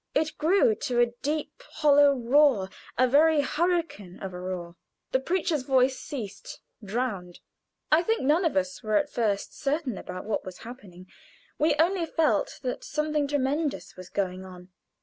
It grew to a deep, hollow roar a very hurricane of a roar. The preacher's voice ceased, drowned. I think none of us were at first certain about what was happening; we only felt that something tremendous was going on.